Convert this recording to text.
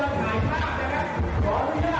อ่า